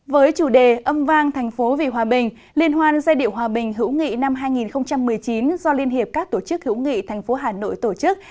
với chủ đề âm vang thành phố vì hòa bình liên hoan giai điệu hòa bình hữu nghị năm hai nghìn một mươi chín do liên hiệp các tổ chức hữu nghị thành phố hà nội tổ chức